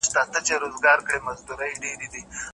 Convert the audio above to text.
ډنبار ډېر نېستمن وو